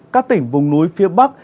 các tỉnh vùng núi phía bắc